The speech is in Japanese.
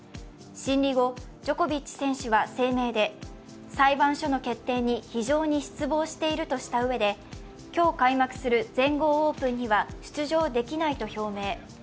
審理後、ジョコビッチ選手は声明で裁判所の決定に非常に失望しているとしたうえで、今日開幕する全豪オープンには出場できないと表明。